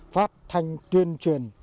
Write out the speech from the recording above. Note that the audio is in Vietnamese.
phát thanh tuyên truyền